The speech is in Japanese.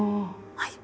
はい。